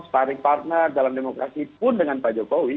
sparring partner dalam demokrasi pun dengan pak jokowi